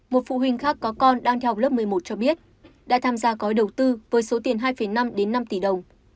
một phụ huynh khác có con đang theo học lớp một mươi một cho biết đã tham gia gói đầu tư với số tiền hai năm đến năm tỷ đồng